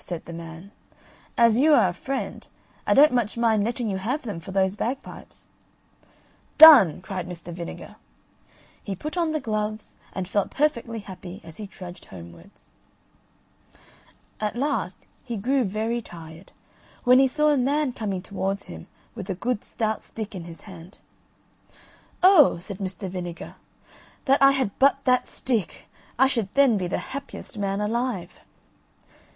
said the man; "as you are a friend, I don't much mind letting you have them for those bagpipes." "Done!" cried Mr. Vinegar. He put on the gloves, and felt perfectly happy as he trudged homewards. At last he grew very tired, when he saw a man coming towards him with a good stout stick in his hand. "Oh," said Mr. Vinegar, "that I had but that stick! I should then be the happiest man alive."